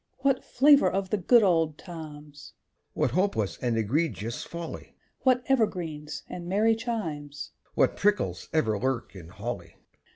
_) What flavour of the good old times! (What hopeless and egregious folly!) What evergreens and merry chimes! (_What prickles ever lurk in holly!